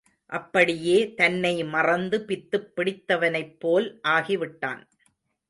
அப்படியே தன்னை மறந்து பித்துப் பிடித்தவனைப்போல் ஆகிவிட்டான்.